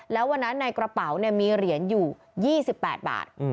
แล้ววันนั้นในกระเป๋ามีเหรียญอยู่๒๘บาท